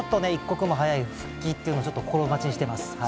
一刻も早い復帰というのを心待ちにしています。